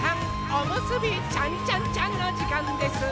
おむすびちゃんちゃんちゃんのじかんです！